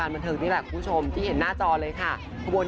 เมื่อวาน